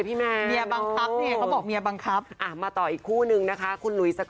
พวกไม่บังคัป